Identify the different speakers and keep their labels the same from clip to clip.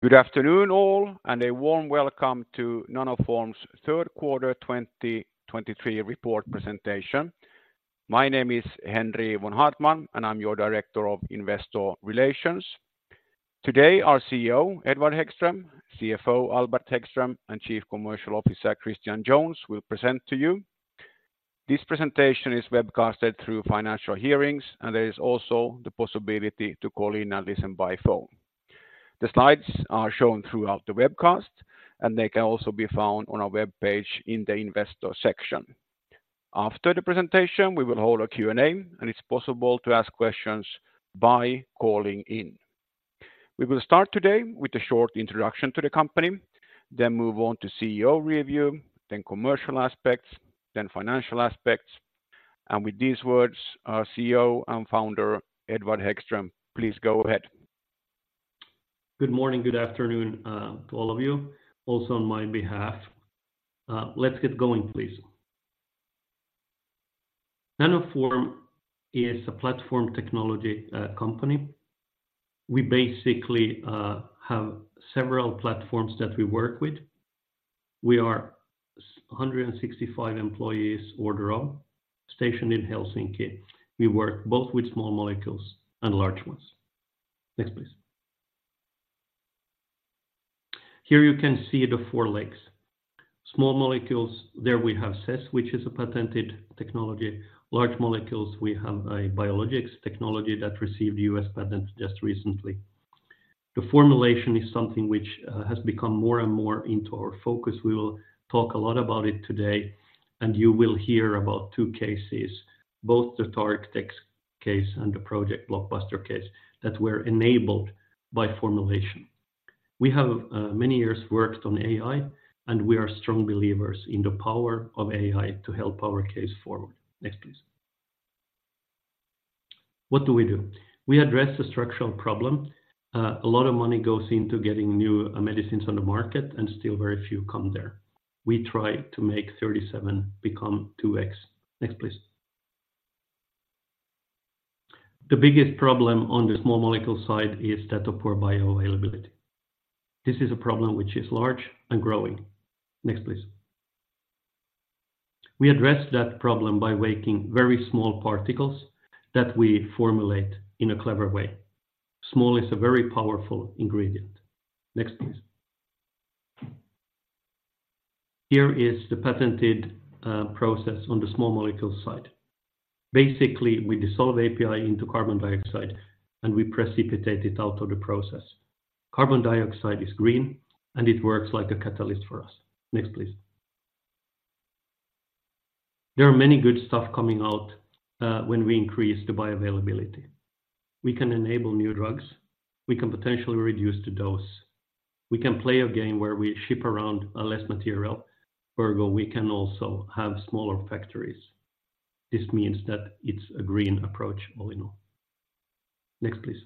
Speaker 1: Good afternoon, all, and a warm welcome to Nanoform's third quarter 2023 report presentation. My name is Henri von Haartman, and I'm your Director of Investor Relations. Today, our CEO, Edward Hæggström, CFO, Albert Hæggström, and Chief Commercial Officer, Christian Jones, will present to you. This presentation is webcasted through Financial Hearings, and there is also the possibility to call in and listen by phone. The slides are shown throughout the webcast, and they can also be found on our webpage in the investor section. After the presentation, we will hold a Q&A, and it's possible to ask questions by calling in. We will start today with a short introduction to the company, then move on to CEO review, then commercial aspects, then financial aspects. With these words, our CEO and founder, Edward Hæggström, please go ahead.
Speaker 2: Good morning. Good afternoon, to all of you, also on my behalf. Let's get going, please. Nanoform is a platform technology company. We basically have several platforms that we work with. We are 165 employees all around, stationed in Helsinki. We work both with small molecules and large ones. Next, please. Here you can see the four legs. Small molecules, there we have CESS, which is a patented technology. Large molecules, we have a biologics technology that received U.S. patents just recently. The formulation is something which has become more and more into our focus. We will talk a lot about it today, and you will hear about two cases, both the TargTex case and the Project Blockbuster case, that were enabled by formulation. We have many years worked on AI, and we are strong believers in the power of AI to help our case forward. Next, please. What do we do? We address the structural problem. A lot of money goes into getting new medicines on the market, and still very few come there. We try to make 37 become 2x. Next, please. The biggest problem on the small molecule side is that of poor bioavailability. This is a problem which is large and growing. Next, please. We address that problem by making very small particles that we formulate in a clever way. Small is a very powerful ingredient. Next, please. Here is the patented process on the small molecule side. Basically, we dissolve API into carbon dioxide, and we precipitate it out of the process. Carbon dioxide is green, and it works like a catalyst for us. Next, please. There are many good stuff coming out, when we increase the bioavailability, we can enable new drugs, we can potentially reduce the dose. We can play a game where we ship around less material, ergo, we can also have smaller factories. This means that it's a green approach all in all. Next, please.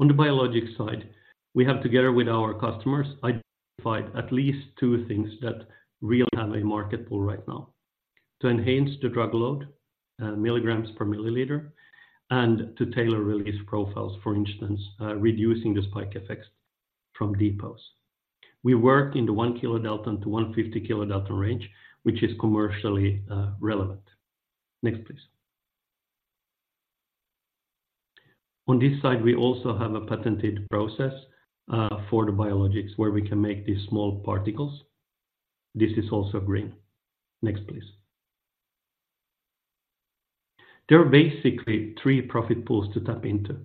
Speaker 2: On the biologic side, we have, together with our customers, identified at least two things that really have a market pool right now. To enhance the drug load, milligrams per milliliter, and to tailor release profiles, for instance, reducing the spike effects from depots. We work in the 1 kDa to 150 kDa range, which is commercially relevant. Next, please. On this side, we also have a patented process, for the biologics, where we can make these small particles. This is also green. Next, please. There are basically three profit pools to tap into.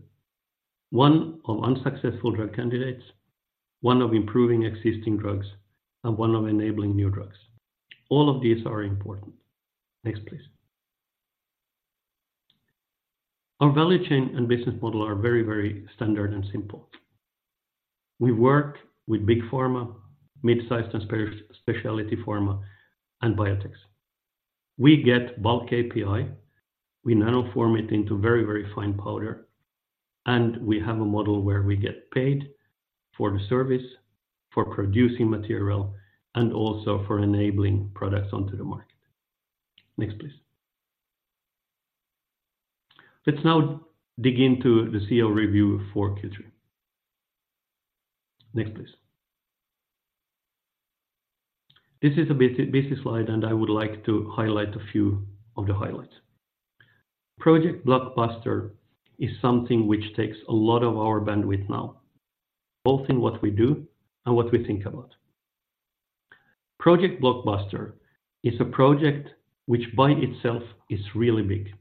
Speaker 2: One of unsuccessful drug candidates, one of improving existing drugs, and one of enabling new drugs. All of these are important. Next, please. Our value chain and business model are very, very standard and simple. We work with big pharma, mid-size and specialty pharma, and biotechs. We get bulk API, we nanoform it into very, very fine powder, and we have a model where we get paid for the service, for producing material, and also for enabling products onto the market. Next, please. Let's now dig into the CEO review for Q3. Next, please. This is a busy, busy slide, and I would like to highlight a few of the highlights. Project Blockbuster is something which takes a lot of our bandwidth now, both in what we do and what we think about. Project Blockbuster is a project which by itself is really big,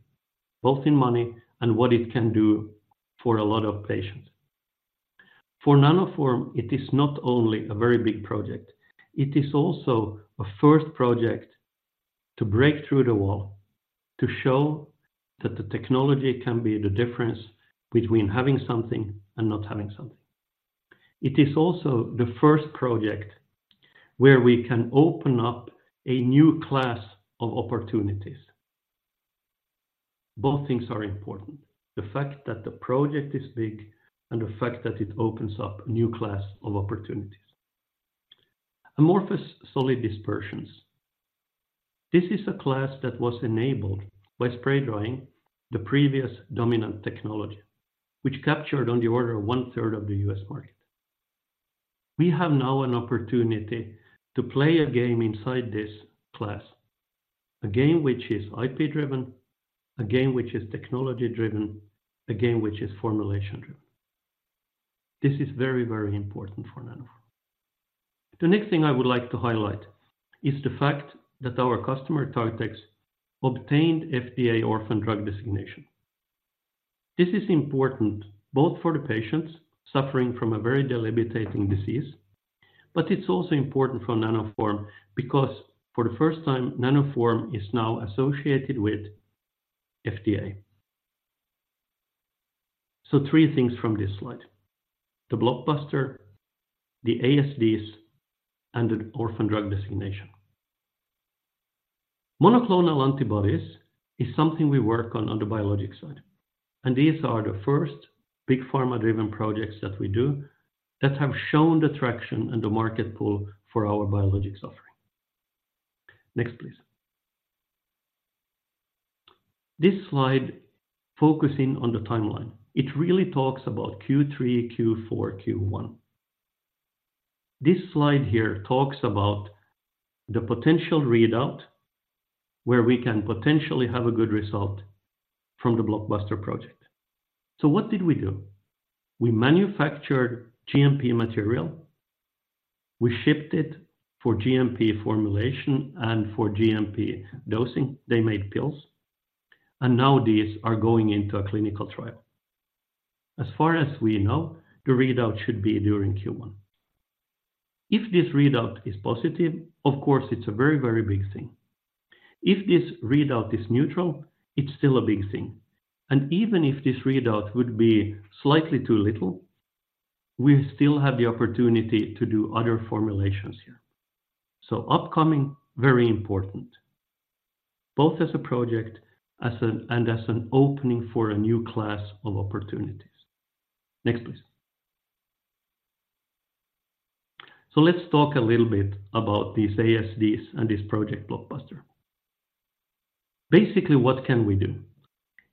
Speaker 2: both in money and what it can do for a lot of patients. For Nanoform, it is not only a very big project, it is also a first project to break through the wall, to show that the technology can be the difference between having something and not having something. It is also the first project where we can open up a new class of opportunities. Both things are important, the fact that the project is big and the fact that it opens up a new class of opportunities. Amorphous solid dispersions. This is a class that was enabled by spray drying, the previous dominant technology, which captured on the order of one third of the U.S. market. We have now an opportunity to play a game inside this class, a game which is IP-driven, a game which is technology-driven, a game which is formulation-driven. This is very, very important for Nanoform. The next thing I would like to highlight is the fact that our customer, TargTex, obtained FDA Orphan Drug Designation. This is important both for the patients suffering from a very debilitating disease, but it's also important for Nanoform because for the first time, Nanoform is now associated with FDA. So three things from this slide: the Blockbuster, the ASDs, and the Orphan Drug Designation. Monoclonal antibodies is something we work on, on the biologic side, and these are the first big pharma-driven projects that we do that have shown the traction and the market pull for our biologics offering. Next, please. This slide, focusing on the timeline, it really talks about Q3, Q4, Q1. This slide here talks about the potential readout, where we can potentially have a good result from the Blockbuster Project. So what did we do? We manufactured GMP material, we shipped it for GMP formulation and for GMP dosing. They made pills, and now these are going into a clinical trial. As far as we know, the readout should be during Q1. If this readout is positive, of course, it's a very, very big thing. If this readout is neutral, it's still a big thing. And even if this readout would be slightly too little, we still have the opportunity to do other formulations here. So upcoming, very important, both as a project and as an opening for a new class of opportunities. Next, please. So let's talk a little bit about these ASDs and this Project Blockbuster. Basically, what can we do?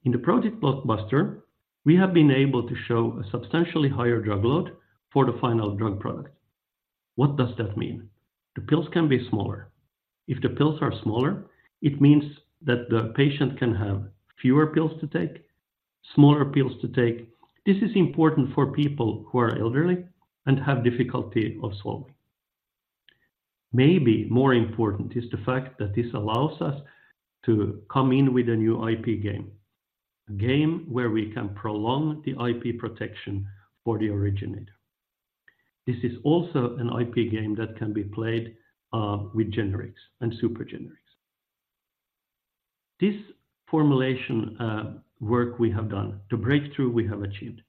Speaker 2: In the Project Blockbuster, we have been able to show a substantially higher drug load for the final drug product. What does that mean? The pills can be smaller. If the pills are smaller, it means that the patient can have fewer pills to take, smaller pills to take. This is important for people who are elderly and have difficulty of swallowing. Maybe more important is the fact that this allows us to come in with a new IP game, a game where we can prolong the IP protection for the originator. This is also an IP game that can be played with generics and super generics. This formulation work we have done, the breakthrough we have achieved,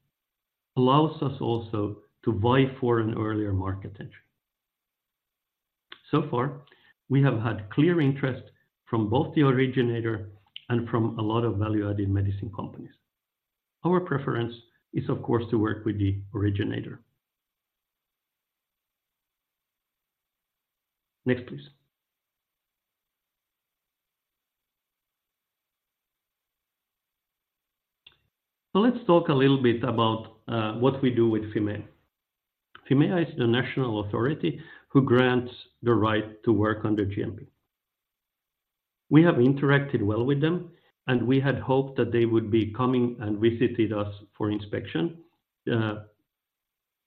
Speaker 2: allows us also to vie for an earlier market entry. So far, we have had clear interest from both the originator and from a lot of value-added medicine companies. Our preference is, of course, to work with the originator. Next, please. So let's talk a little bit about what we do with Fimea. Fimea is the national authority who grants the right to work under GMP. We have interacted well with them, and we had hoped that they would be coming and visited us for inspection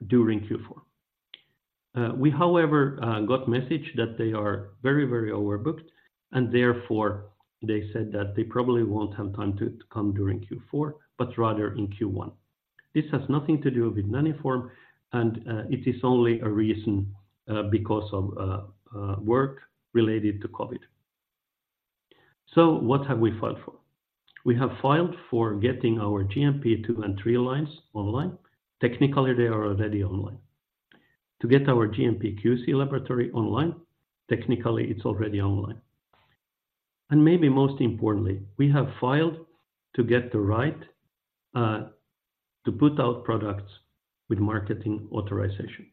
Speaker 2: during Q4. We, however, got message that they are very, very overbooked, and therefore, they said that they probably won't have time to come during Q4, but rather in Q1. This has nothing to do with Nanoform, and it is only a reason because of work related to COVID. So what have we filed for? We have filed for getting our GMP 2 and 3 lines online. Technically, they are already online. To get our GMP QC laboratory online, technically, it's already online. Maybe most importantly, we have filed to get the right to put out products with marketing authorization.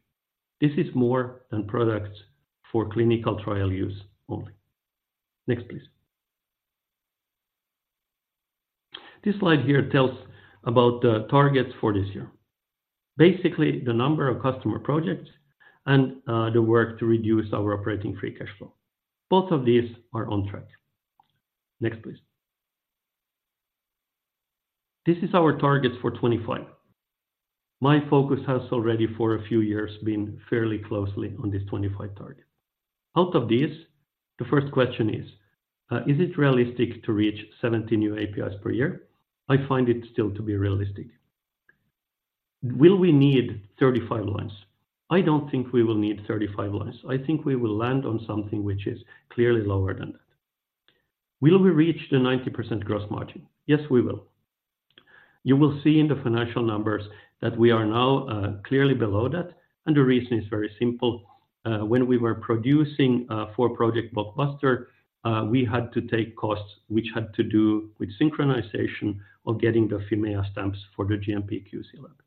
Speaker 2: This is more than products for clinical trial use only. Next, please. This slide here tells about the targets for this year. Basically, the number of customer projects and the work to reduce our operating free cash flow. Both of these are on track. Next, please. This is our targets for 2025. My focus has already for a few years been fairly closely on this 2025 target. Out of these, the first question is, is it realistic to reach 70 new APIs per year? I find it still to be realistic. Will we need 35 lines? I don't think we will need 35 lines. I think we will land on something which is clearly lower than that. Will we reach the 90% gross margin? Yes, we will. You will see in the financial numbers that we are now clearly below that, and the reason is very simple. When we were producing for Project Blockbuster, we had to take costs, which had to do with synchronization of getting the Fimea stamps for the GMP QC lab.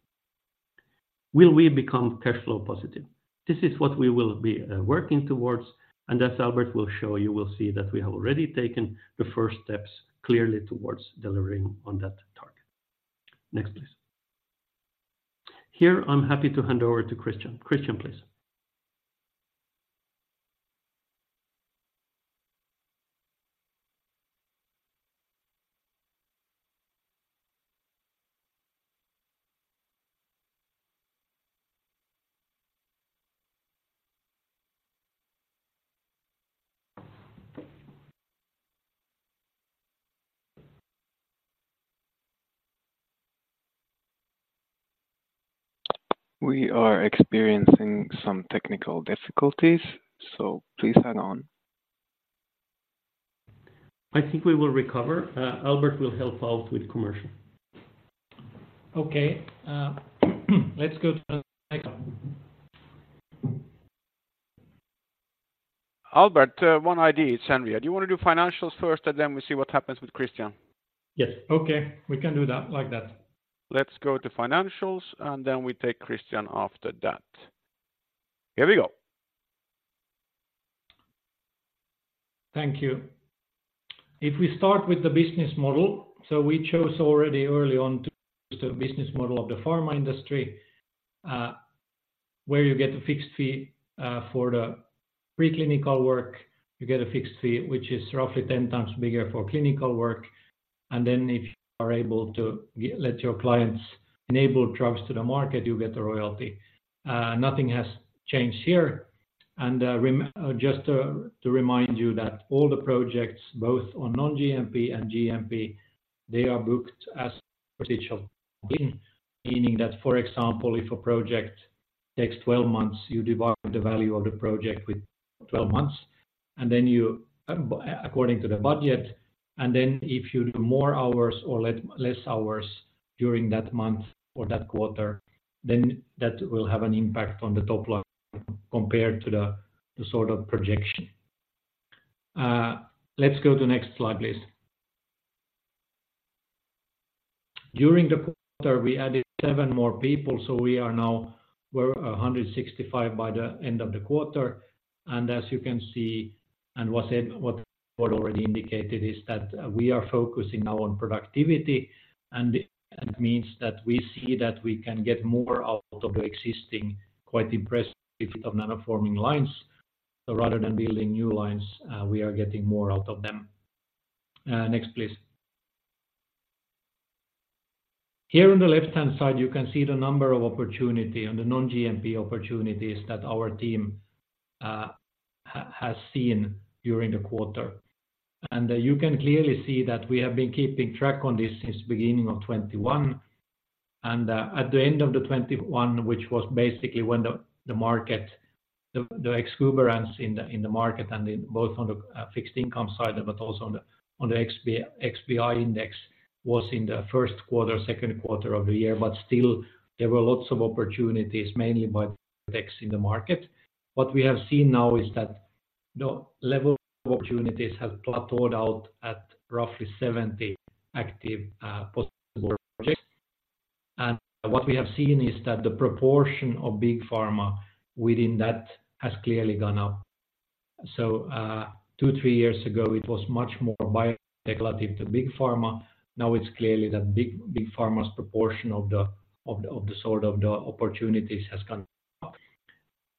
Speaker 2: Will we become cash flow positive? This is what we will be working towards, and as Albert will show you, we'll see that we have already taken the first steps clearly towards delivering on that target. Next, please. Here, I'm happy to hand over to Christian. Christian, please.
Speaker 1: We are experiencing some technical difficulties, so please hang on.
Speaker 2: I think we will recover. Albert will help out with commercial.
Speaker 3: Okay, let's go to the next.
Speaker 1: Albert, one idea, it's Henri. Do you wanna do financials first, and then we see what happens with Christian?
Speaker 3: Yes. Okay. We can do that like that.
Speaker 1: Let's go to financials, and then we take Christian after that. Here we go.
Speaker 3: Thank you. If we start with the business model, so we chose already early on to the business model of the pharma industry, where you get a fixed fee for the preclinical work. You get a fixed fee, which is roughly 10x bigger for clinical work, and then if you are able to let your clients enable drugs to the market, you get a royalty. Nothing has changed here. Just to remind you that all the projects, both on non-GMP and GMP, they are booked as potential, meaning that, for example, if a project takes 12 months, you divide the value of the project with 12 months, and then you according to the budget. Then if you do more hours or less hours during that month or that quarter, then that will have an impact on the top line compared to the sort of projection. Let's go to next slide, please. During the quarter, we added seven more people, so we are now, we're 165 by the end of the quarter, and as you can see, and what it already indicated is that we are focusing now on productivity, and it means that we see that we can get more out of the existing, quite impressive of nanoforming lines. So rather than building new lines, we are getting more out of them. Next, please. Here on the left-hand side, you can see the number of opportunity and the non-GMP opportunities that our team has seen during the quarter. You can clearly see that we have been keeping track on this since beginning of 2021. At the end of 2021, which was basically when the market exuberance in the market and in both on the fixed income side, but also on the XBI Index, was in the first quarter, second quarter of the year, but still there were lots of opportunities, mainly by X in the market. What we have seen now is that the level of opportunities have plateaued out at roughly 70 active possible projects. What we have seen is that the proportion of big pharma within that has clearly gone up. So, two, three years ago, it was much more biotech relative to big pharma. Now, it's clearly that big pharma's proportion of the opportunities has gone up.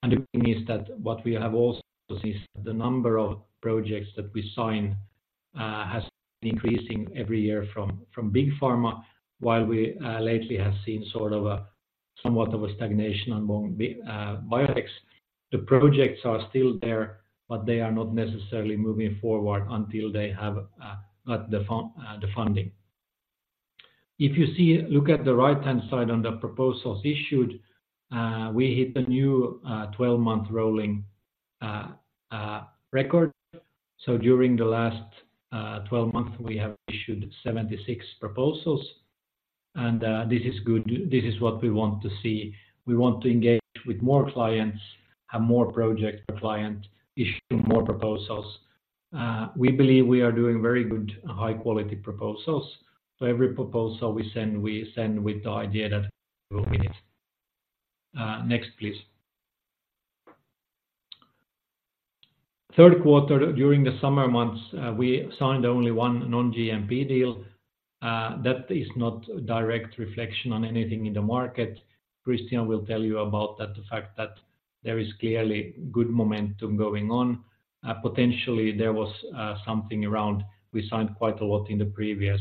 Speaker 3: The thing is that what we have also is the number of projects that we sign has been increasing every year from big pharma, while we lately have seen sort of a somewhat of a stagnation among biotechs. The projects are still there, but they are not necessarily moving forward until they have got the funding. If you see, look at the right-hand side on the proposals issued, we hit a new 12-month rolling record. So during the last 12 months, we have issued 76 proposals, and this is good. This is what we want to see. We want to engage with more clients, have more projects per client, issuing more proposals. We believe we are doing very good, high-quality proposals. So every proposal we send, we send with the idea that we'll win it. Next, please. Third quarter, during the summer months, we signed only one non-GMP deal. That is not a direct reflection on anything in the market. Christian will tell you about that, the fact that there is clearly good momentum going on. Potentially, there was something around. We signed quite a lot in the previous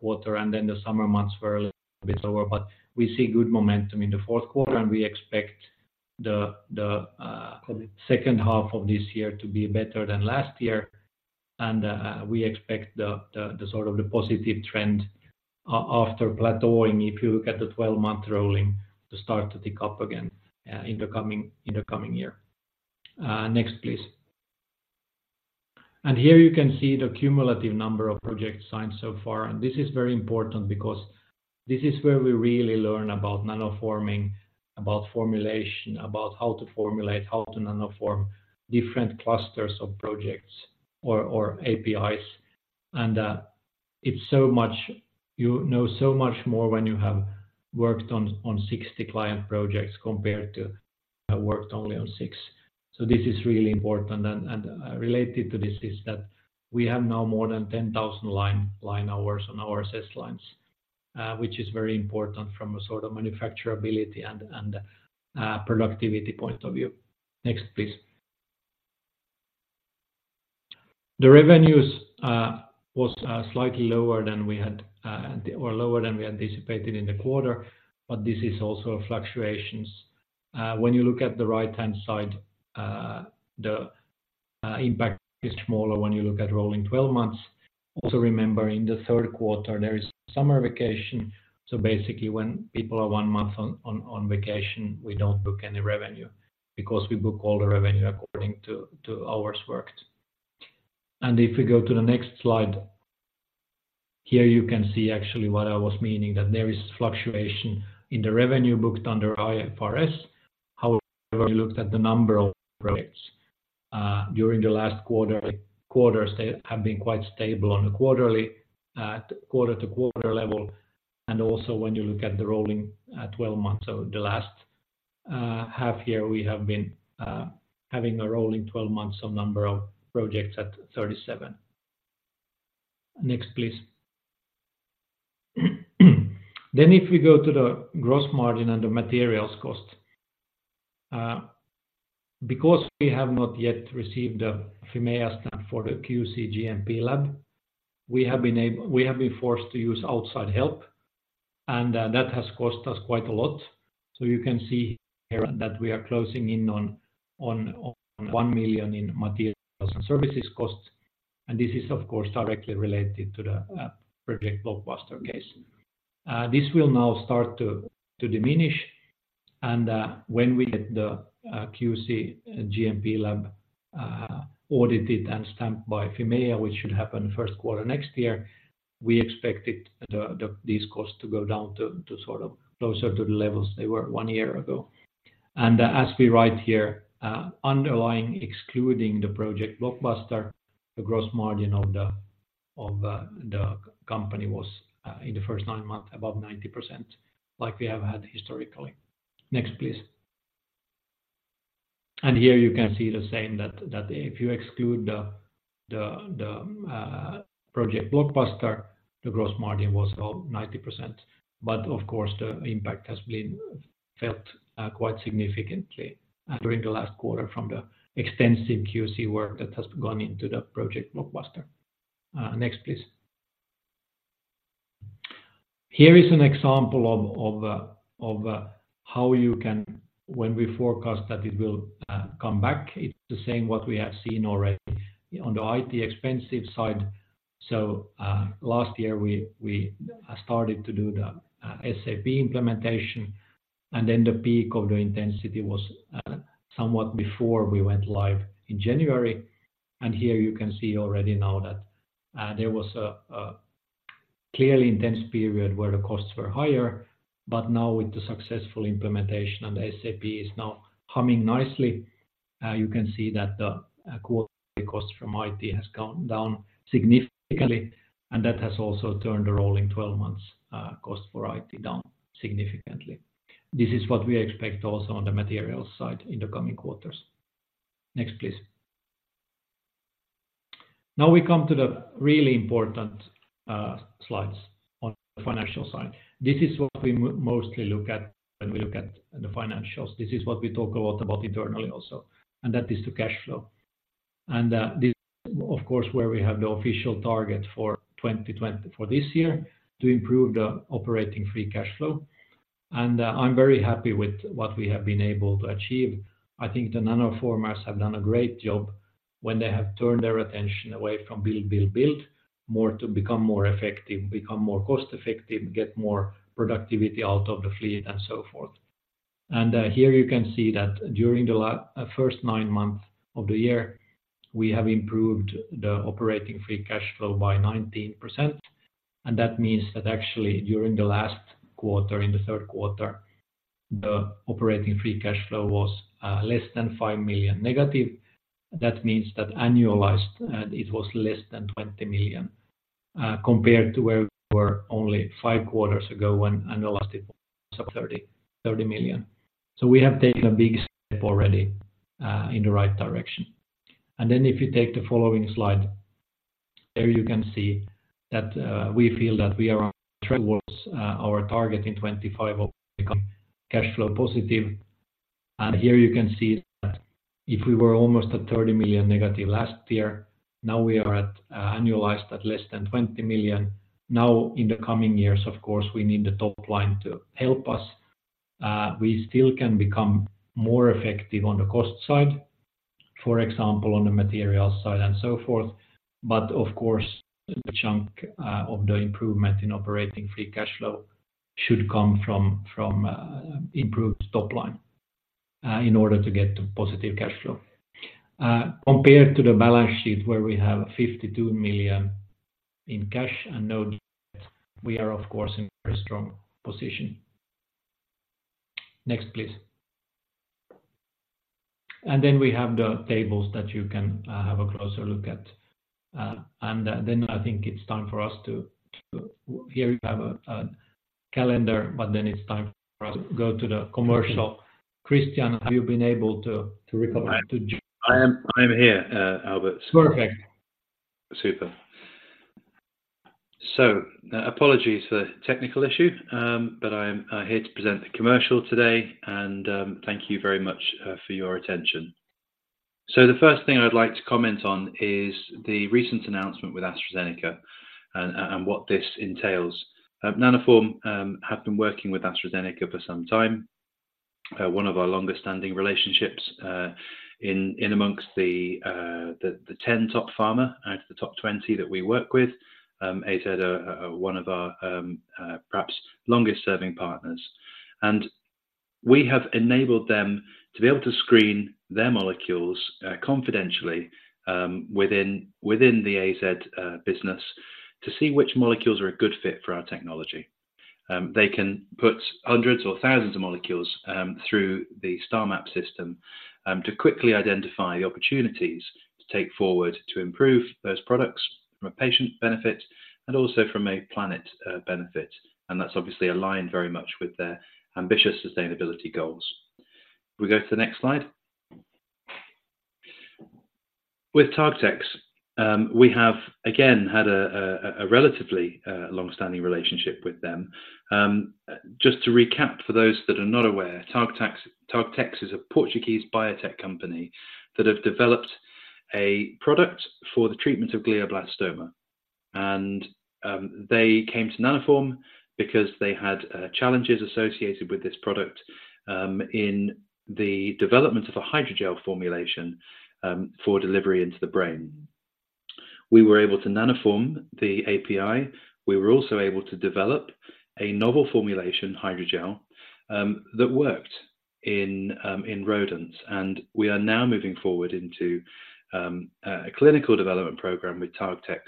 Speaker 3: quarter, and then the summer months were a little bit lower, but we see good momentum in the fourth quarter, and we expect the second half of this year to be better than last year. We expect the sort of positive trend after plateauing, if you look at the 12-month rolling, to start to tick up again in the coming year. Next, please. Here you can see the cumulative number of projects signed so far, and this is very important because this is where we really learn about nanoforming, about formulation, about how to formulate, how to nanoform different clusters of projects or APIs. And it's so much, you know so much more when you have worked on 60 client projects compared to have worked only on six. So this is really important, and related to this is that we have now more than 10,000 line hours on our CESS lines, which is very important from a sort of manufacturability and productivity point of view. Next, please. The revenues was slightly lower than we had or lower than we anticipated in the quarter, but this is also fluctuations. When you look at the right-hand side, the impact is smaller when you look at rolling 12 months. Also, remember in the third quarter, there is summer vacation, so basically, when people are one month on vacation, we don't book any revenue because we book all the revenue according to hours worked. If we go to the next slide, here you can see actually what I was meaning, that there is fluctuation in the revenue booked under IFRS. However, we looked at the number of projects during the last quarter. Quarters, they have been quite stable on a quarterly quarter-to-quarter level, and also when you look at the rolling 12 months. So the last half year, we have been having a rolling 12 months of number of projects at 37. Next, please. If we go to the gross margin and the materials cost, because we have not yet received the Fimea stamp for the QC GMP lab, we have been able, we have been forced to use outside help, and that has cost us quite a lot. So you can see here that we are closing in on 1 million in materials and services costs, and this is, of course, directly related to the Project Blockbuster case. This will now start to diminish, and when we get the QC GMP lab audited and stamped by Fimea, which should happen first quarter next year, we expect these costs to go down to sort of closer to the levels they were one year ago. And as we write here, underlying excluding the Project Blockbuster, the gross margin of the company was in the first nine months above 90%, like we have had historically. Next, please. And here you can see the same, that if you exclude the Project Blockbuster, the gross margin was about 90%. But of course, the impact has been felt quite significantly during the last quarter from the extensive QC work that has gone into the Project Blockbuster. Next, please. Here is an example of how you can... when we forecast that it will come back, it's the same what we have seen already on the IT expense side. So, last year, we started to do the SAP implementation, and then the peak of the intensity was somewhat before we went live in January. Here you can see already now that, there was a, a clearly intense period where the costs were higher, but now with the successful implementation and the SAP is now humming nicely, you can see that the, quarterly cost from IT has gone down significantly, and that has also turned the rolling twelve months, cost for IT down significantly. This is what we expect also on the materials side in the coming quarters. Next, please. Now we come to the really important, slides on the financial side. This is what we mostly look at when we look at the financials. This is what we talk a lot about internally also, and that is the cash flow. This, of course, where we have the official target for 2020, for this year, to improve the operating free cash flow, and, I'm very happy with what we have been able to achieve. I think the Nanoformers have done a great job when they have turned their attention away from build, build, build, more to become more effective, become more cost-effective, get more productivity out of the fleet, and so forth. Here you can see that during the first nine months of the year, we have improved the operating free cash flow by 19%, and that means that actually during the last quarter, in the third quarter, the operating free cash flow was less than 5 million negative. That means that annualized, it was less than 20 million, compared to where we were only five quarters ago when annualized it was up 30, 30 million. So we have taken a big step already, in the right direction. And then if you take the following slide, there you can see that, we feel that we are on track towards, our target in 2025 of becoming cash flow positive. And here you can see that if we were almost at 30 million negative last year, now we are at, annualized at less than 20 million. Now, in the coming years, of course, we need the top line to help us. We still can become more effective on the cost side, for example, on the material side and so forth, but of course, a chunk of the improvement in operating free cash flow should come from improved top line in order to get to positive cash flow. Compared to the balance sheet, where we have 52 million in cash and no debt, we are of course in a very strong position. Next, please. And then we have the tables that you can have a closer look at. And then I think it's time for us to, here you have a calendar, but then it's time for us to go to the commercial. Christian, have you been able to recover? To-
Speaker 4: I am, I am here, Albert.
Speaker 3: Perfect.
Speaker 4: Super. So, apologies for the technical issue, but I'm here to present the commercial today, and thank you very much for your attention. So the first thing I'd like to comment on is the recent announcement with AstraZeneca and what this entails. Nanoform have been working with AstraZeneca for some time, one of our longest-standing relationships, in amongst the 10 top pharma out of the top 20 that we work with. AZ are one of our, perhaps longest-serving partners, and we have enabled them to be able to screen their molecules, confidentially, within the AZ business, to see which molecules are a good fit for our technology. They can put hundreds or thousands of molecules through the STARMAP system to quickly identify the opportunities to take forward to improve those products from a patient benefit and also from a planet benefit, and that's obviously aligned very much with their ambitious sustainability goals. Can we go to the next slide? With TargTex, we have again had a relatively long-standing relationship with them. Just to recap, for those that are not aware, TargTex is a Portuguese biotech company that have developed a product for the treatment of glioblastoma. And they came to Nanoform because they had challenges associated with this product in the development of a hydrogel formulation for delivery into the brain. We were able to nanoform the API. We were also able to develop a novel formulation hydrogel that worked in rodents, and we are now moving forward into a clinical development program with TargTex,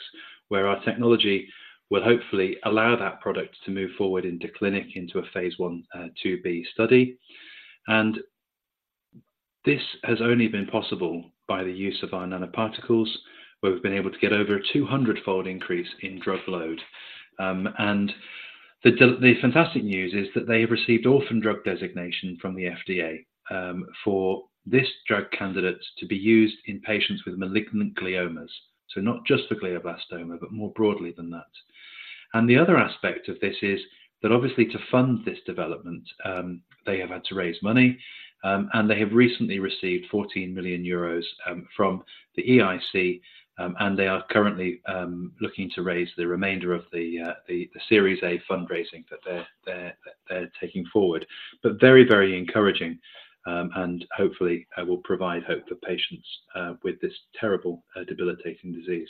Speaker 4: where our technology will hopefully allow that product to move forward into clinic, into a phase I, phase II-B study. And this has only been possible by the use of our nanoparticles, where we've been able to get over a 200-fold increase in drug load. And the fantastic news is that they've received Orphan Drug Designation from the FDA for this drug candidate to be used in patients with malignant gliomas, so not just for glioblastoma, but more broadly than that. The other aspect of this is that obviously, to fund this development, they have had to raise money, and they have recently received 14 million euros from the EIC, and they are currently looking to raise the remainder of the Series A fundraising that they're taking forward. But very, very encouraging, and hopefully will provide hope for patients with this terrible, debilitating disease.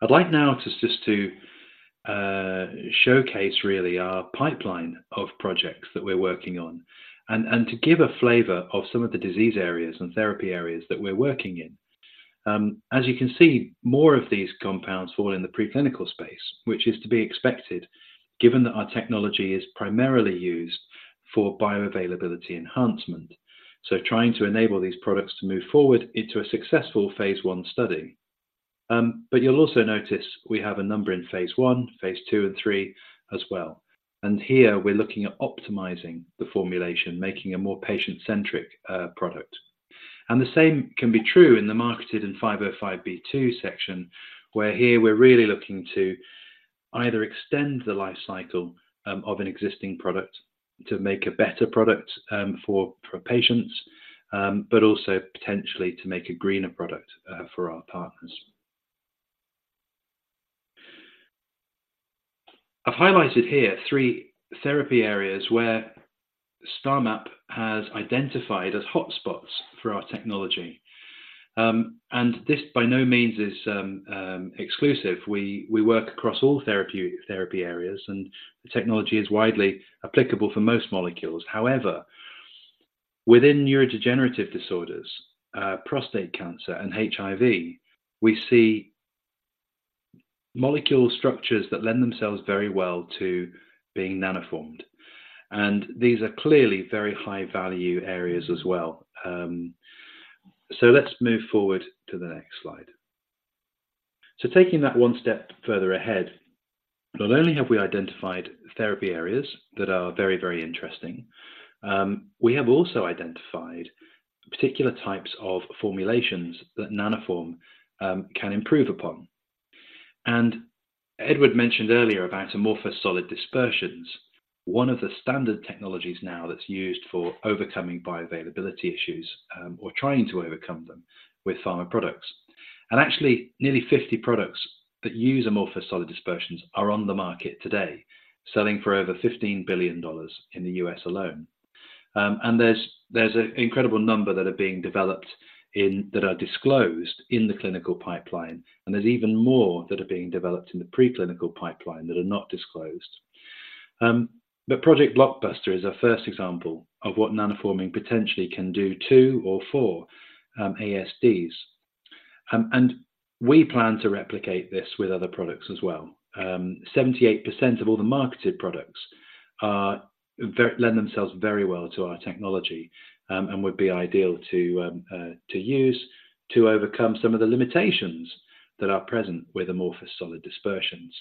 Speaker 4: I'd like now just to showcase really our pipeline of projects that we're working on and to give a flavor of some of the disease areas and therapy areas that we're working in. As you can see, more of these compounds fall in the preclinical space, which is to be expected, given that our technology is primarily used for bioavailability enhancement, so trying to enable these products to move forward into a successful phase I study. But you'll also notice we have a number in phase I, phase II and III as well, and here we're looking at optimizing the formulation, making a more patient-centric product. And the same can be true in the marketed and 505(b)(2) section, where here we're really looking to either extend the life cycle of an existing product to make a better product for patients, but also potentially to make a greener product for our partners. I've highlighted here three therapy areas where STARMAP has identified as hotspots for our technology. And this by no means is exclusive. We work across all therapy areas, and the technology is widely applicable for most molecules. However, within neurodegenerative disorders, prostate cancer and HIV, we see molecule structures that lend themselves very well to being nanoformed, and these are clearly very high-value areas as well. So let's move forward to the next slide. So taking that one step further ahead, not only have we identified therapy areas that are very, very interesting, we have also identified particular types of formulations that Nanoform can improve upon. And Edward mentioned earlier about amorphous solid dispersions, one of the standard technologies now that's used for overcoming bioavailability issues, or trying to overcome them with pharma products. Actually, nearly 50 products that use amorphous solid dispersions are on the market today, selling for over $15 billion in the U.S. alone. There's an incredible number that are being developed in that are disclosed in the clinical pipeline, and there's even more that are being developed in the preclinical pipeline that are not disclosed. But Project Blockbuster is our first example of what nanoforming potentially can do to or for ASDs, and we plan to replicate this with other products as well. 78% of all the marketed products are very lend themselves very well to our technology, and would be ideal to use to overcome some of the limitations that are present with amorphous solid dispersions.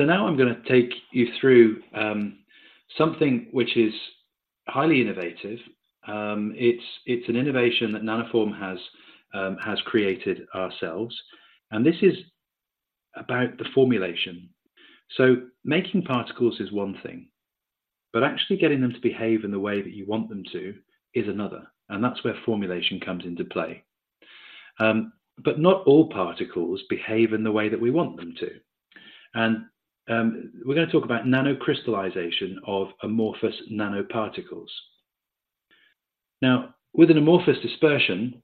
Speaker 4: Now I'm gonna take you through something which is highly innovative. It's an innovation that Nanoform has created ourselves, and this is about the formulation. So making particles is one thing, but actually getting them to behave in the way that you want them to is another, and that's where formulation comes into play. But not all particles behave in the way that we want them to. And we're gonna talk about nanocrystallization of amorphous nanoparticles. Now, with an amorphous dispersion,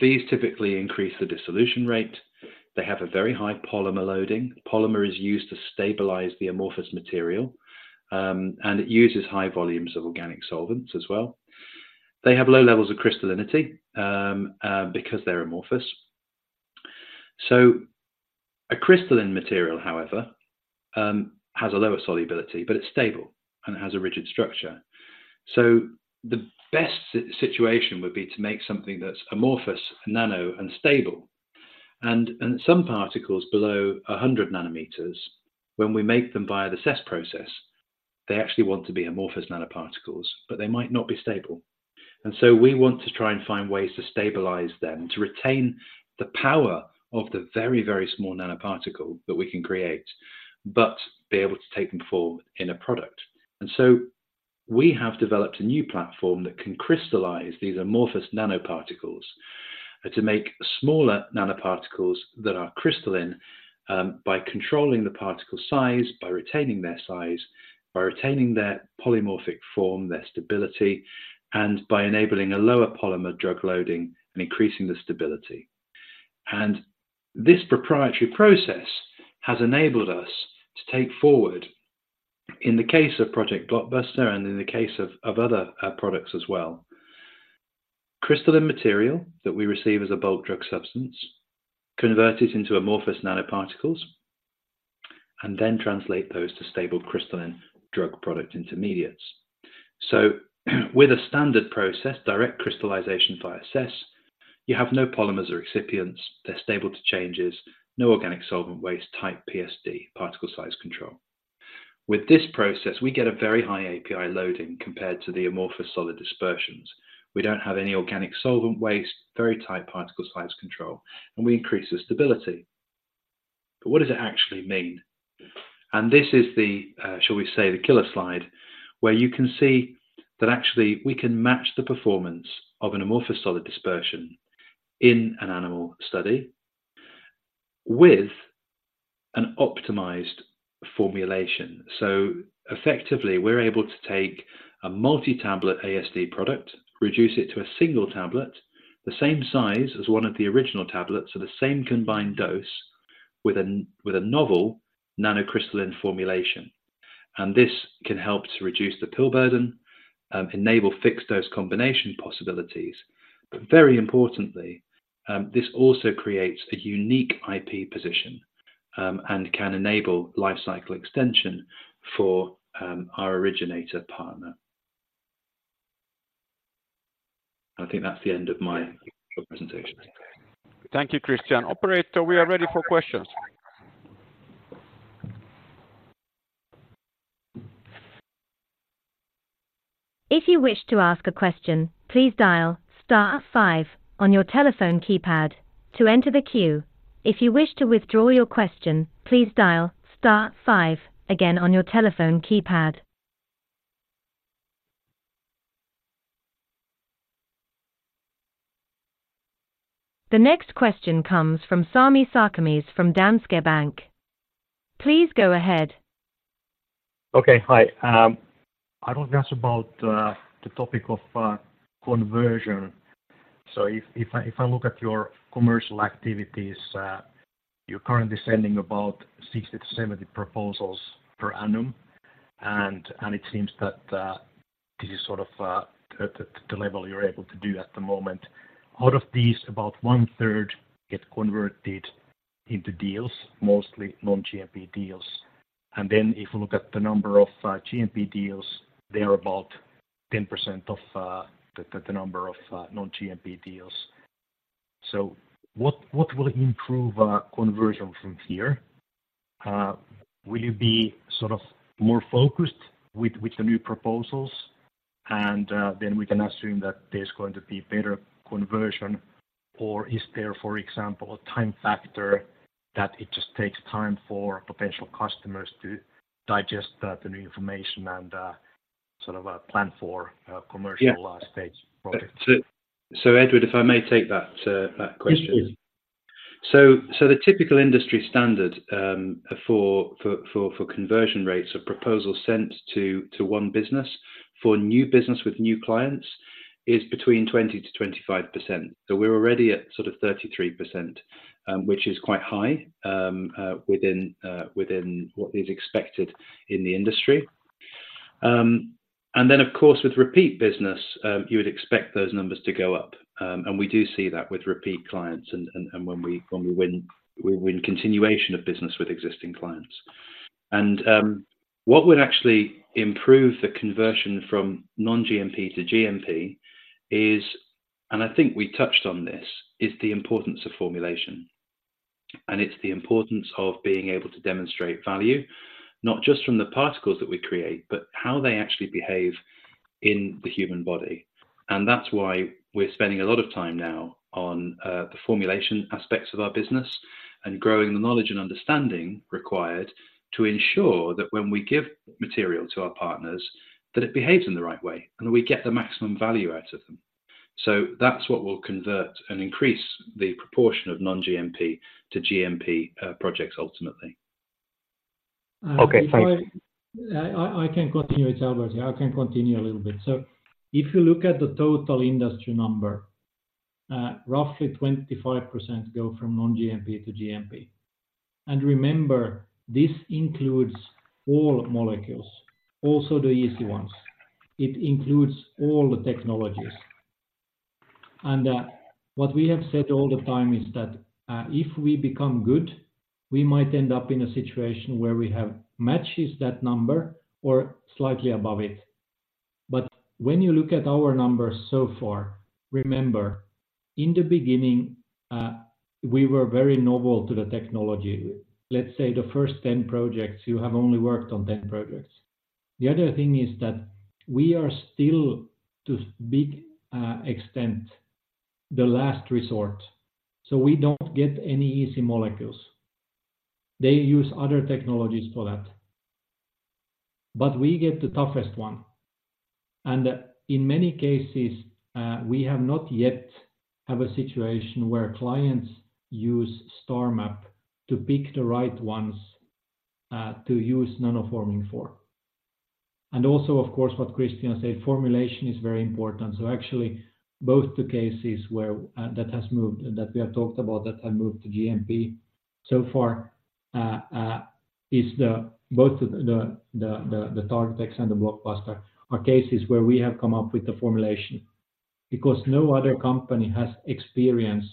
Speaker 4: these typically increase the dissolution rate. They have a very high polymer loading. Polymer is used to stabilize the amorphous material, and it uses high volumes of organic solvents as well. They have low levels of crystallinity, because they're amorphous. So a crystalline material, however, has a lower solubility, but it's stable and has a rigid structure. So the best situation would be to make something that's amorphous, nano, and stable. Some particles below 100 nm, when we make them via the CESS process, they actually want to be amorphous nanoparticles, but they might not be stable. So we want to try and find ways to stabilize them, to retain the power of the very, very small nanoparticle that we can create, but be able to take them forward in a product. So we have developed a new platform that can crystallize these amorphous nanoparticles to make smaller nanoparticles that are crystalline by controlling the particle size, by retaining their size, by retaining their polymorphic form, their stability, and by enabling a lower polymer drug loading and increasing the stability. And this proprietary process has enabled us to take forward, in the case of Project Blockbuster and in the case of other products as well, crystalline material that we receive as a bulk drug substance, convert it into amorphous nanoparticles, and then translate those to stable crystalline drug product intermediates. So, with a standard process, direct crystallization via CESS, you have no polymers or excipients, they're stable to changes, no organic solvent waste, tight PSD, particle size control. With this process, we get a very high API loading compared to the amorphous solid dispersions. We don't have any organic solvent waste, very tight particle size control, and we increase the stability. But what does it actually mean? This is the, shall we say, the killer slide, where you can see that actually we can match the performance of an amorphous solid dispersion in an animal study with an optimized formulation. So effectively, we're able to take a multi-tablet ASD product, reduce it to a single tablet, the same size as one of the original tablets, so the same combined dose with a novel nanocrystalline formulation. And this can help to reduce the pill burden, enable fixed dose combination possibilities, but very importantly, this also creates a unique IP position, and can enable life cycle extension for our originator partner. I think that's the end of my presentation.
Speaker 1: Thank you, Christian. Operator, we are ready for questions.
Speaker 5: If you wish to ask a question, please dial star five on your telephone keypad to enter the queue. If you wish to withdraw your question, please dial star five again on your telephone keypad. The next question comes from Sami Sarkamies, from Danske Bank. Please go ahead.
Speaker 6: Okay, hi. I want to ask about the topic of conversion. So if I look at your commercial activities, you're currently sending about 60-70 proposals per annum, and it seems that this is sort of the level you're able to do at the moment. Out of these, about one third get converted into deals, mostly non-GMP deals. And then if you look at the number of GMP deals, they are about 10% of the number of non-GMP deals. So what will improve conversion from here? Will you be sort of more focused with, with the new proposals, and then we can assume that there's going to be better conversion, or is there, for example, a time factor that it just takes time for potential customers to digest the new information and sort of plan for commercial-
Speaker 4: Yeah...
Speaker 6: stage project?
Speaker 4: So, Edward, if I may take that question.
Speaker 6: Mm-hmm.
Speaker 4: So, the typical industry standard for conversion rates of proposals sent to one business for new business with new clients is between 20%-25%. So we're already at sort of 33%, which is quite high within what is expected in the industry. And then of course, with repeat business, you would expect those numbers to go up. And we do see that with repeat clients and when we win, we win continuation of business with existing clients. And what would actually improve the conversion from non-GMP to GMP is, and I think we touched on this, is the importance of formulation. And it's the importance of being able to demonstrate value, not just from the particles that we create, but how they actually behave in the human body. That's why we're spending a lot of time now on the formulation aspects of our business and growing the knowledge and understanding required to ensure that when we give material to our partners, that it behaves in the right way, and we get the maximum value out of them. So that's what will convert and increase the proportion of non-GMP to GMP projects ultimately.
Speaker 6: Okay, thanks.
Speaker 3: I can continue it, Albert. I can continue a little bit. So if you look at the total industry number, roughly 25% go from non-GMP to GMP. And remember, this includes all molecules, also the easy ones. It includes all the technologies. And what we have said all the time is that if we become good, we might end up in a situation where we have matches that number or slightly above it. But when you look at our numbers so far, remember, in the beginning, we were very novel to the technology. Let's say the first 10 projects, you have only worked on 10 projects. The other thing is that we are still, to a big extent, the last resort, so we don't get any easy molecules. They use other technologies for that, but we get the toughest one. And in many cases, we have not yet have a situation where clients use STARMAP to pick the right ones to use nanoforming for. And also, of course, what Christian said, formulation is very important. So actually, both the cases where that has moved and that we have talked about that have moved to GMP so far is both the TargTex and the Blockbuster are cases where we have come up with the formulation because no other company has experience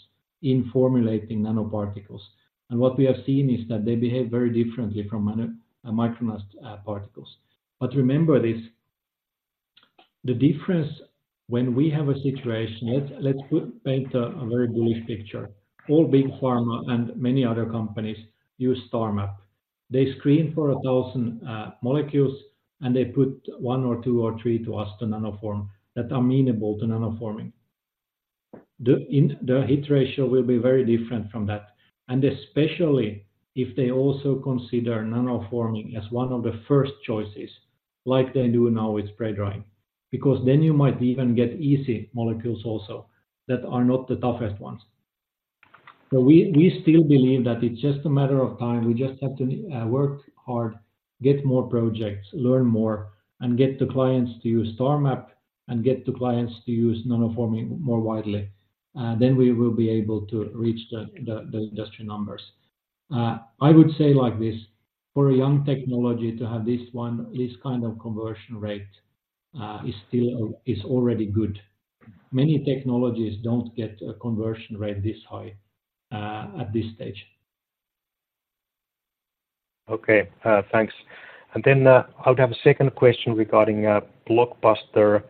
Speaker 3: in formulating nanoparticles. And what we have seen is that they behave very differently from nano micronized particles. But remember this, the difference when we have a situation. Let's paint a very bullish picture. All big pharma and many other companies use STARMAP. They screen for 1,000 molecules, and they put one or two or three to us to nanoform that are amenable to nanoforming. The hit ratio will be very different from that, and especially if they also consider nanoforming as one of the first choices like they do now with spray drying, because then you might even get easy molecules also, that are not the toughest ones. So we still believe that it's just a matter of time. We just have to work hard, get more projects, learn more, and get the clients to use STARMAP and get the clients to use nanoforming more widely. Then we will be able to reach the industry numbers. I would say like this, for a young technology to have this one, this kind of conversion rate, is still already good. Many technologies don't get a conversion rate this high, at this stage.
Speaker 6: Okay, thanks. And then I would have a second question regarding Blockbuster.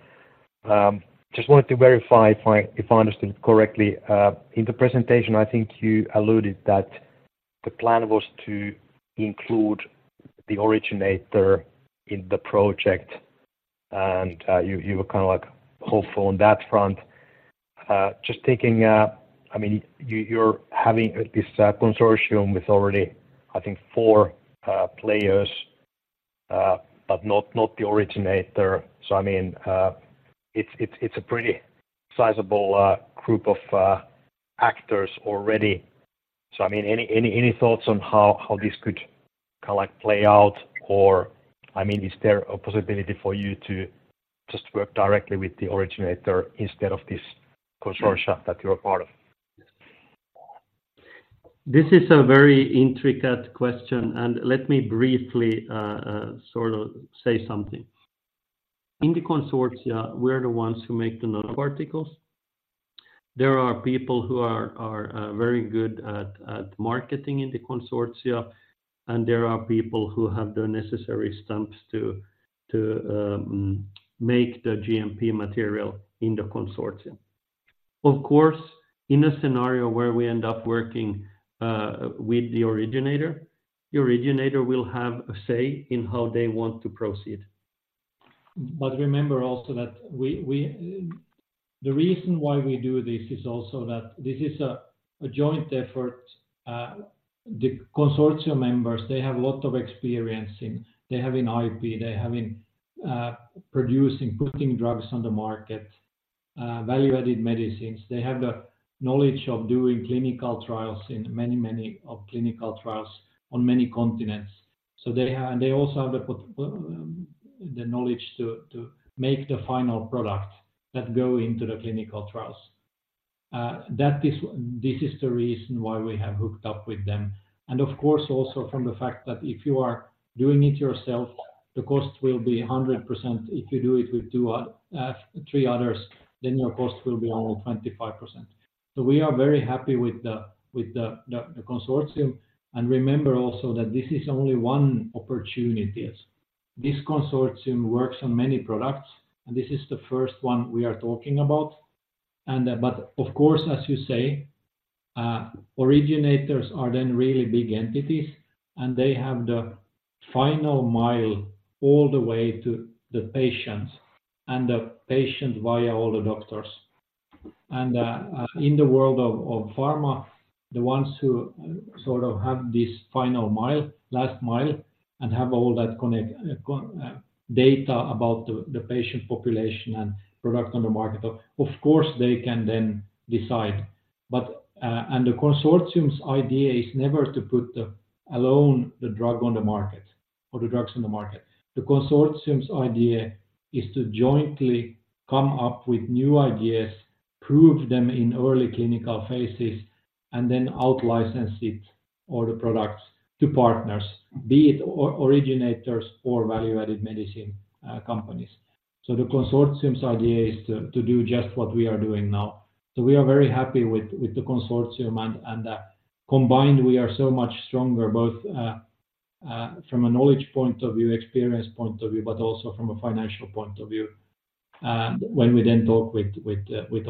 Speaker 6: Just wanted to verify if I understood correctly. In the presentation, I think you alluded that the plan was to include the originator in the project, and you were kind of, like, hopeful on that front. Just taking... I mean, you're having this consortium with already, I think, four players, but not the originator. So, I mean, it's a pretty sizable group of actors already. So, I mean, any thoughts on how this could kind of, like, play out? Or, I mean, is there a possibility for you to just work directly with the originator instead of this consortium that you're a part of?
Speaker 3: This is a very intricate question, and let me briefly sort of say something. In the consortia, we're the ones who make the nanoparticles. There are people who are very good at marketing in the consortia, and there are people who have the necessary stamps to make the GMP material in the consortium. Of course, in a scenario where we end up working with the originator, the originator will have a say in how they want to proceed. But remember also that we. The reason why we do this is also that this is a joint effort. The consortium members, they have a lot of experience in, they have in IP, they have in producing, putting drugs on the market, value-added medicines. They have the knowledge of doing clinical trials in many, many of clinical trials on many continents. So they have. And they also have the knowledge to make the final product that go into the clinical trials. That is, this is the reason why we have hooked up with them. And of course, also from the fact that if you are doing it yourself, the cost will be 100%. If you do it with two, three others, then your cost will be only 25%. So we are very happy with the consortium, and remember also that this is only one opportunity. This consortium works on many products, and this is the first one we are talking about. But of course, as you say, originators are then really big entities, and they have the final mile all the way to the patients, and the patient via all the doctors. In the world of, of pharma, the ones who sort of have this final mile, last mile, and have all that connect, con, data about the, the patient population and product on the market, of course, they can then decide. But, and the consortium's idea is never to put the alone, the drug on the market or the drugs on the market. The consortium's idea is to jointly come up with new ideas, prove them in early clinical phases, and then out-license it or the products to partners, be it or originators or value-added medicine, companies. The consortium's idea is to do just what we are doing now. We are very happy with the consortium, and combined, we are so much stronger, both from a knowledge point of view, experience point of view, but also from a financial point of view, when we then talk with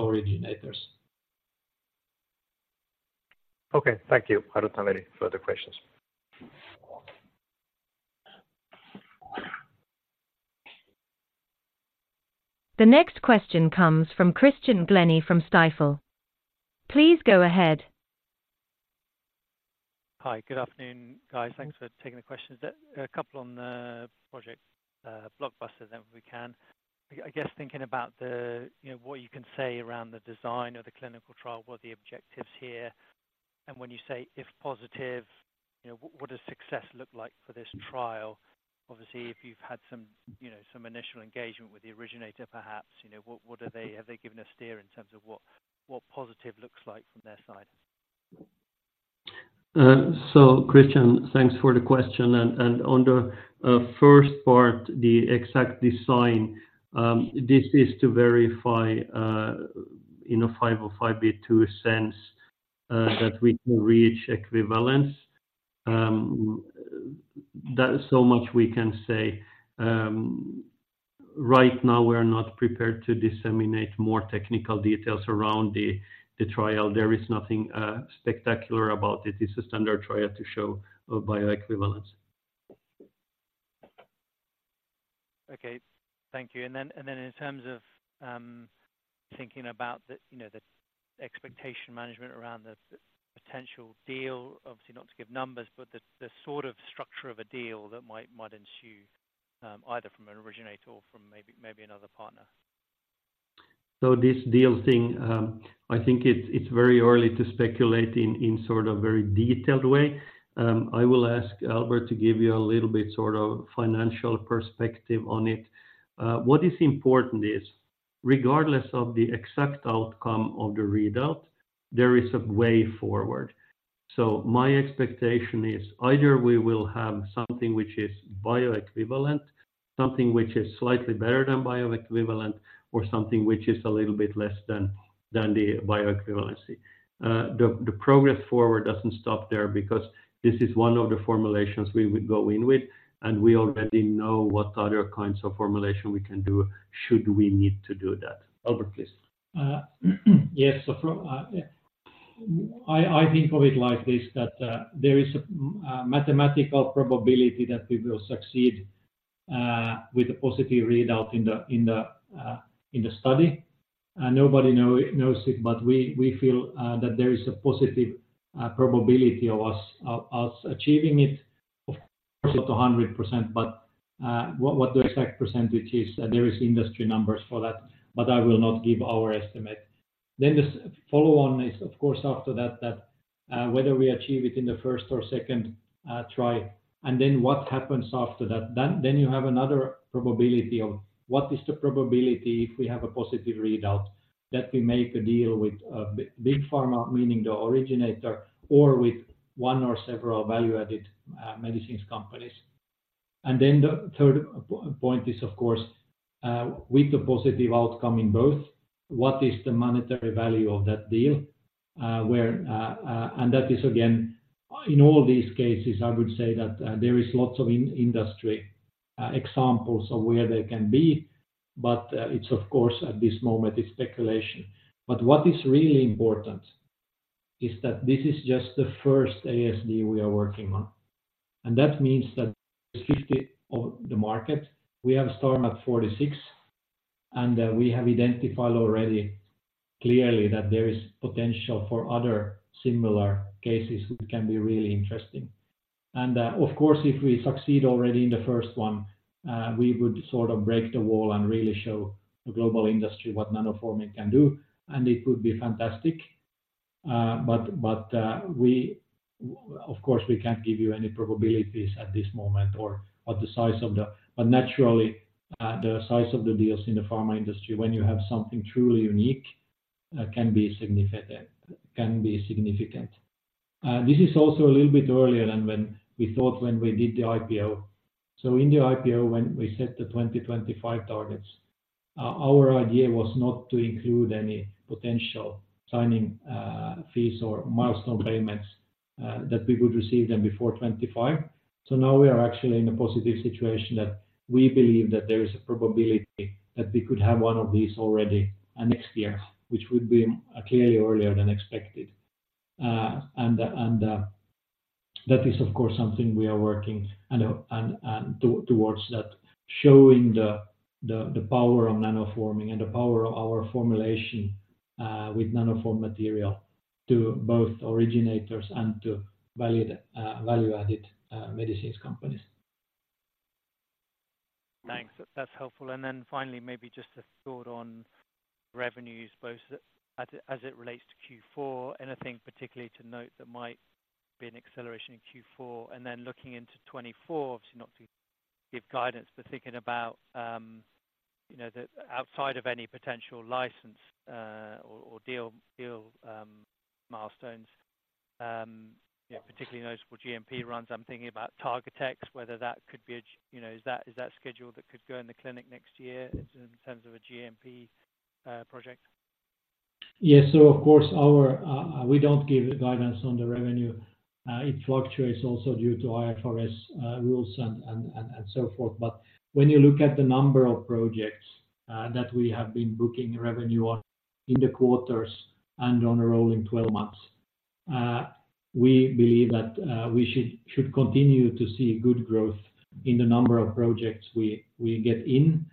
Speaker 3: originators.
Speaker 6: Okay. Thank you. I don't have any further questions.
Speaker 5: The next question comes from Christian Glennie from Stifel. Please go ahead.
Speaker 7: Hi. Good afternoon, guys. Thanks for taking the questions. There's a couple on the project, Blockbuster, then, if we can. I guess thinking about the, you know, what you can say around the design of the clinical trial, what are the objectives here? And when you say, if positive, you know, what, what does success look like for this trial? Obviously, if you've had some, you know, some initial engagement with the originator, perhaps, you know, what, what are they- have they given a steer in terms of what, what positive looks like from their side?
Speaker 2: So Christian, thanks for the question. And on the first part, the exact design, this is to verify in a 505(b)(2) sense that we can reach equivalence. That is so much we can say. Right now, we're not prepared to disseminate more technical details around the trial. There is nothing spectacular about it. It's a standard trial to show bioequivalence.
Speaker 7: Okay. Thank you. And then in terms of thinking about the, you know, the expectation management around the potential deal, obviously, not to give numbers, but the sort of structure of a deal that might ensue, either from an originator or from maybe another partner.
Speaker 2: So this deal thing, I think it's very early to speculate in sort of very detailed way. I will ask Albert to give you a little bit sort of financial perspective on it. What is important is, regardless of the exact outcome of the readout, there is a way forward. So my expectation is either we will have something which is bioequivalent, something which is slightly better than bioequivalent, or something which is a little bit less than the bioequivalency. The progress forward doesn't stop there because this is one of the formulations we would go in with, and we already know what other kinds of formulation we can do should we need to do that. Albert, please.
Speaker 3: Yes. So from... I think of it like this, that there is a mathematical probability that we will succeed with a positive readout in the study, and nobody knows it, but we feel that there is a positive probability of us achieving it. Of course, not 100%, but what the exact percentage is, there is industry numbers for that, but I will not give our estimate. Then the follow-on is, of course, after that, whether we achieve it in the first or second try, and then what happens after that? Then you have another probability of what is the probability if we have a positive readout, that we make a deal with big pharma, meaning the originator or with one or several value-added medicines companies. And then the third point is, of course, with the positive outcome in both, what is the monetary value of that deal? And that is again, in all these cases, I would say that there is lots of industry examples of where they can be, but it's of course, at this moment, it's speculation. But what is really important is that this is just the first ASD we are working on, and that means that 50% of the market, we have STARMAP at 46, and we have identified already clearly that there is potential for other similar cases which can be really interesting. And, of course, if we succeed already in the first one, we would sort of break the wall and really show the global industry what nanoforming can do, and it would be fantastic. But, of course, we can't give you any probabilities at this moment or what the size of the-- But naturally, the size of the deals in the pharma industry, when you have something truly unique, can be significant, can be significant. And this is also a little bit earlier than when we thought when we did the IPO. So in the IPO, when we set the 2025 targets, our idea was not to include any potential signing fees or milestone payments that we would receive them before 2025. So now we are actually in a positive situation that we believe that there is a probability that we could have one of these already next year, which would be clearly earlier than expected. And that is, of course, something we are working towards, showing the power of nanoforming and the power of our formulation with Nanoform material to both originators and value-added medicines companies.
Speaker 7: Thanks. That's helpful. And then finally, maybe just a thought on revenues, both as it relates to Q4, anything particularly to note that might be an acceleration in Q4? And then looking into 2024, obviously not to give guidance, but thinking about, you know, outside of any potential license, or deal milestones, you know, particularly those for GMP runs. I'm thinking about TargTex, whether that could be a... You know, is that schedule that could go in the clinic next year in terms of a GMP project?
Speaker 3: Yes. So of course, our we don't give guidance on the revenue. It fluctuates also due to IFRS rules and so forth. But when you look at the number of projects that we have been booking revenue on in the quarters and on a rolling twelve months, we believe that we should continue to see good growth in the number of projects we get in,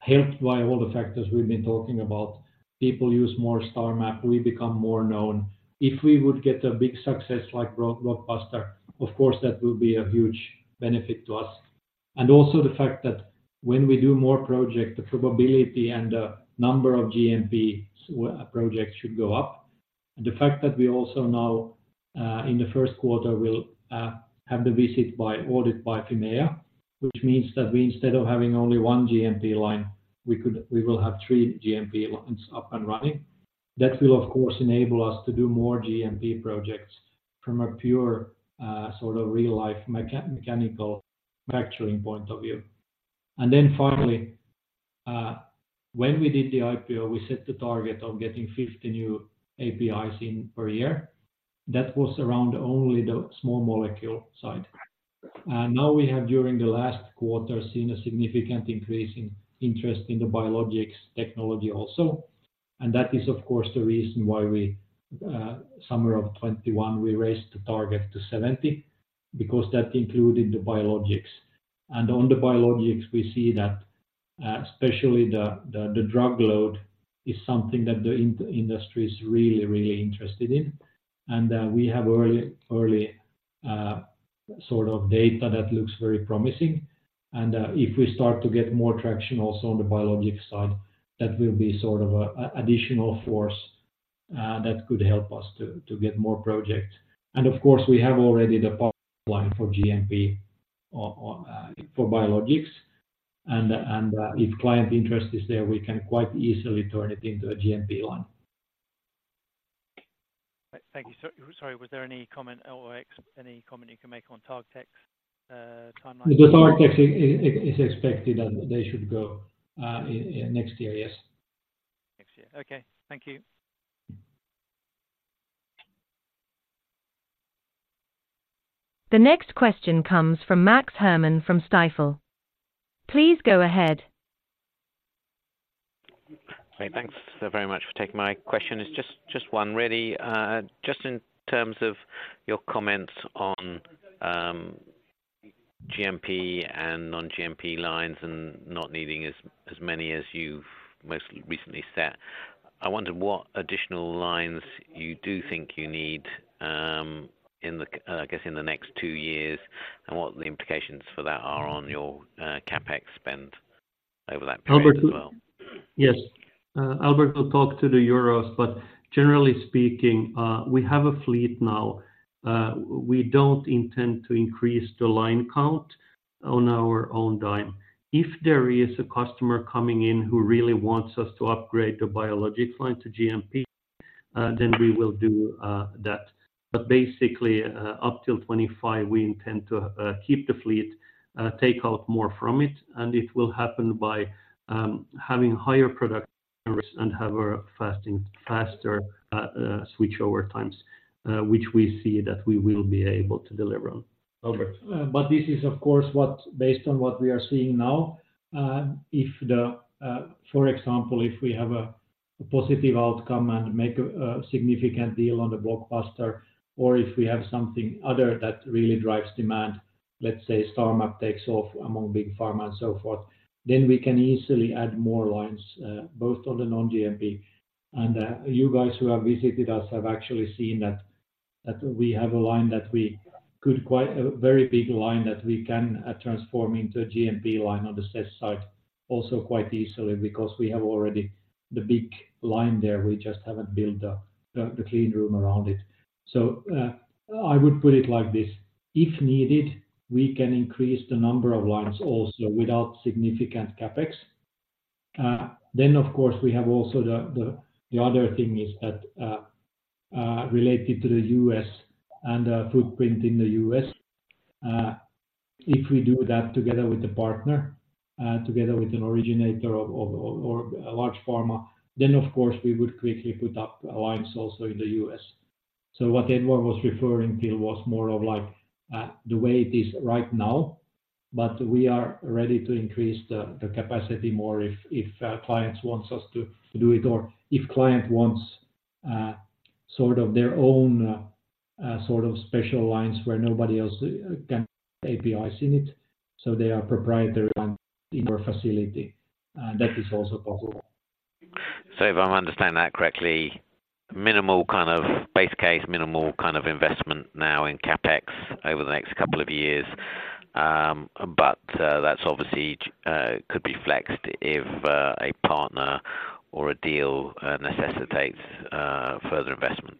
Speaker 3: helped by all the factors we've been talking about. People use more STARMAP, we become more known. If we would get a big success like Blockbuster, of course, that will be a huge benefit to us. And also the fact that when we do more project, the probability and the number of GMP projects should go up. And the fact that we also now, in the first quarter, will have the visit by audit by Fimea, which means that we, instead of having only one GMP line, we will have three GMP lines up and running. That will, of course, enable us to do more GMP projects from a pure, sort of real-life mechanical manufacturing point of view. And then finally, when we did the IPO, we set the target of getting 50 new APIs in per year. That was around only the small molecule side. And now we have, during the last quarter, seen a significant increase in interest in the biologics technology also. And that is, of course, the reason why we, summer of 2021, we raised the target to 70, because that included the biologics. On the biologics, we see that, especially the drug load is something that the industry is really, really interested in. And we have early sort of data that looks very promising. And if we start to get more traction also on the biologics side, that will be sort of a additional force that could help us to get more projects. And of course, we have already the pipeline for GMP for biologics, and if client interest is there, we can quite easily turn it into a GMP line.
Speaker 7: Thank you. So, sorry, was there any comment you can make on TargTex timeline?
Speaker 3: The TargTex is expected that they should go, next year. Yes.
Speaker 7: Next year. Okay. Thank you.
Speaker 5: The next question comes from Max Herrmann from Stifel. Please go ahead.
Speaker 8: Hey, thanks so very much for taking my question. It's just one really. Just in terms of your comments on GMP and non-GMP lines and not needing as many as you've most recently set, I wondered what additional lines you do think you need in the, I guess, in the next two years, and what the implications for that are on your CapEx spend over that period as well?
Speaker 2: Albert... Yes, Albert will talk to the euros, but generally speaking, we have a fleet now. We don't intend to increase the line count on our own dime. If there is a customer coming in who really wants us to upgrade the biologics line to GMP, then we will do that. But basically, up till 2025, we intend to keep the fleet, take out more from it, and it will happen by having higher production and have a faster switchover times, which we see that we will be able to deliver on. Albert?
Speaker 3: But this is, of course, what—based on what we are seeing now, if, for example, if we have a positive outcome and make a significant deal on the Blockbuster, or if we have something other that really drives demand, let's say STARMAP takes off among big pharma and so forth, then we can easily add more lines, both on the non-GMP. And you guys who have visited us have actually seen that... that we have a line that we could—a very big line that we can transform into a GMP line on the CESS site also quite easily, because we have already the big line there. We just haven't built the clean room around it. So, I would put it like this, if needed, we can increase the number of lines also without significant CapEx. Then, of course, we have also the other thing is that, related to the U.S. and footprint in the U.S., if we do that together with a partner, together with an originator or a large pharma, then, of course, we would quickly put up lines also in the U.S. So what Edward was referring to was more of like the way it is right now, but we are ready to increase the capacity more if clients wants us to do it, or if client wants sort of their own sort of special lines where nobody else can APIs in it, so they are proprietary only in our facility, and that is also possible.
Speaker 8: So if I understand that correctly, minimal kind of base case, minimal kind of investment now in CapEx over the next couple of years? But that's obviously could be flexed if a partner or a deal necessitates further investment?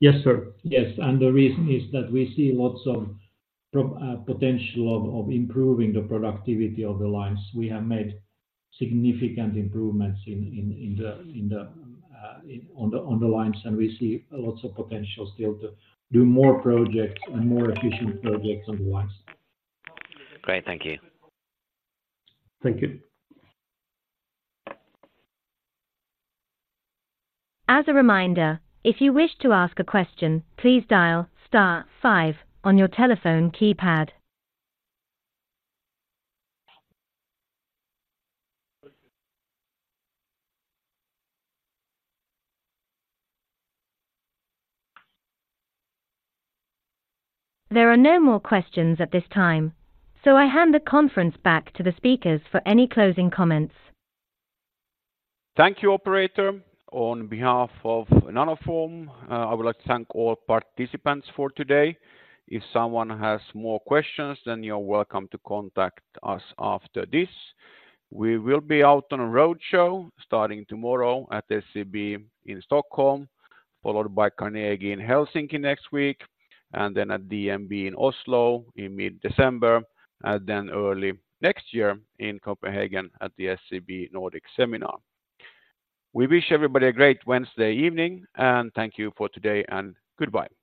Speaker 3: Yes, sir. Yes, and the reason is that we see lots of potential of improving the productivity of the lines. We have made significant improvements in the lines, and we see lots of potential still to do more projects and more efficient projects on the lines.
Speaker 8: Great. Thank you.
Speaker 3: Thank you.
Speaker 5: As a reminder, if you wish to ask a question, please dial star five on your telephone keypad. There are no more questions at this time, so I hand the conference back to the speakers for any closing comments.
Speaker 1: Thank you, operator. On behalf of Nanoform, I would like to thank all participants for today. If someone has more questions, then you're welcome to contact us after this. We will be out on a roadshow starting tomorrow at SEB in Stockholm, followed by Carnegie in Helsinki next week, and then at DNB in Oslo in mid-December, and then early next year in Copenhagen at the SEB Nordic Seminar. We wish everybody a great Wednesday evening, and thank you for today, and goodbye.